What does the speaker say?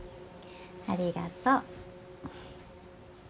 ありがとう。